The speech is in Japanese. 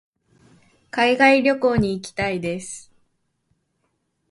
海外旅行に行きたいです。